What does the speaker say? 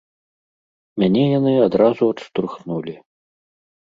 Мяне яны адразу адштурхнулі.